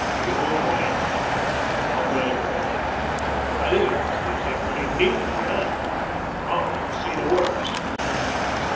You've won it, and I won't grumble any more. I think I've done this thing pretty neatly, oh ? Come and see the 'works.'"